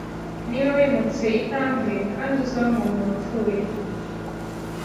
Niba wimutse intambwe, kandi uzaba umuntu wapfuye